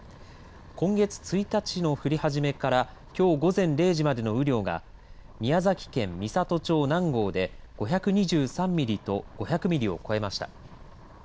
今月１日の降り始めからきょう午前０時までの雨量が宮崎県美郷町南郷で５２３ミリと５００ミリを超えました。